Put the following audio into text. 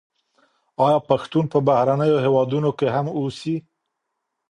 آیا پښتون په بهرنیو هېوادونو کي هم اوسي؟